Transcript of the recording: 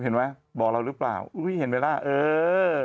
เห็นไหมบอกเรารึเปล่าเห็นไปแล้วเออ